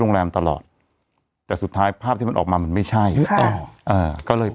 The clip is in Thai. แรมตลอดแต่สุดท้ายภาพที่มันออกมามันไม่ใช่อ๋ออ่าก็เลย